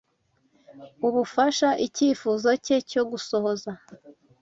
ubufasha Icyifuzo cye cyo gusohoza